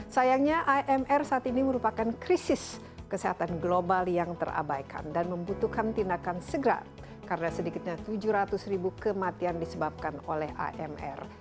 sayangnya imr saat ini merupakan krisis kesehatan global yang terabaikan dan membutuhkan tindakan segera karena sedikitnya tujuh ratus ribu kematian disebabkan oleh amr